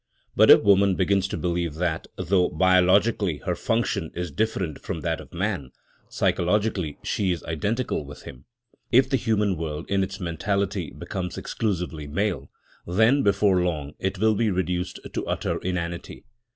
But if woman begins to believe that, though biologically her function is different from that of man, psychologically she is identical with him; if the human world in its mentality becomes exclusively male, then before long it will be reduced to utter inanity.